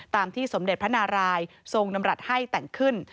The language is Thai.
ที่สมเด็จพระนารายทรงนำรัฐให้แต่งขึ้น